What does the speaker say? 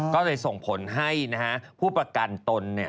ก็เลยส่งผลให้ผู้ประกันตน